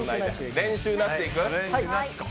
練習なしでいく？